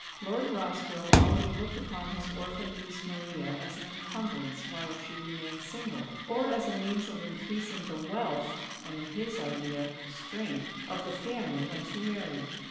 Lord Rossville only looked upon his orphan niece Maria as an encumbrance while she remained single, or as a means of increasing the wealth (and in his idea, the strength) of the family when she married.